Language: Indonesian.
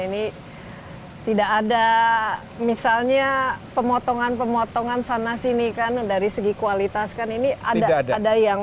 ini tidak ada misalnya pemotongan pemotongan sana sini kan dari segi kualitas kan ini ada ada yang